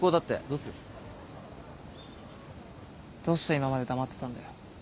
どうして今まで黙ってたんだよ？